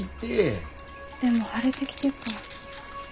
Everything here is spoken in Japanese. でも腫れてきてっから。